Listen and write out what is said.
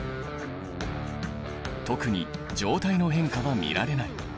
特に状態の変化は見られない。